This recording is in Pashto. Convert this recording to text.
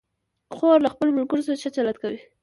خور له خپلو ملګرو سره ښه چلند کوي.